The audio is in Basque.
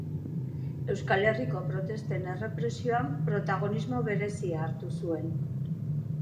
Euskal Herriko protesten errepresioan, protagonismo berezia hartu zuen.